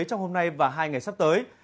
trong hôm nay và hai ngày sắp tới